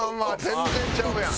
全然ちゃうやん。